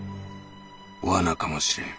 罠かもしれん。